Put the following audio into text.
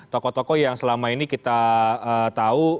tokoh tokoh yang selama ini kita tahu